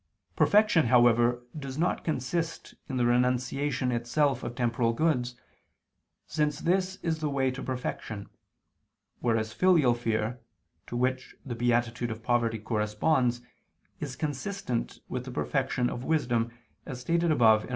Perfection, however, does not consist in the renunciation itself of temporal goods; since this is the way to perfection: whereas filial fear, to which the beatitude of poverty corresponds, is consistent with the perfection of wisdom, as stated above (AA.